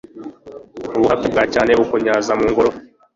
ubuhake bwa cyane bukunyaza mu ngoro